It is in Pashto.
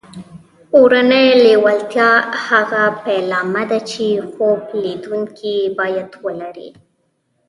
اورنۍ لېوالتیا هغه پیلامه ده چې خوب لیدونکي یې باید ولري